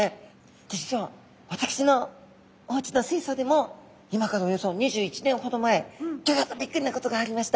実は私のおうちの水槽でも今からおよそ２１年ほど前ギョギョッとビックリなことがありました。